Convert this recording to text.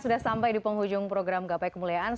sudah sampai di penghujung program gapai kemuliaan